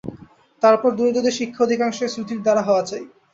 তারপর দরিদ্রদের শিক্ষা অধিকাংশই শ্রুতির দ্বারা হওয়া চাই।